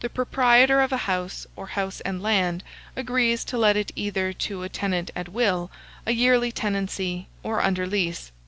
The proprietor of a house, or house and land, agrees to let it either to a tenant at will, a yearly tenancy, or under lease.